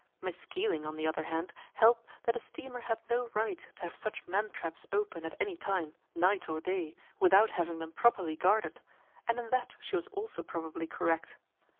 Mrs. Keeling, on the other hand, held that a steamer had no right to have such mantraps open at any time, night or day, without having them properly guarded, and in that she was also probably correct.